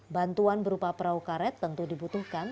bantuan berupa perahu karet tentu dibutuhkan